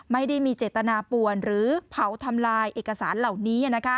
ไม่ได้มีเจตนาป่วนหรือเผาทำลายเอกสารเหล่านี้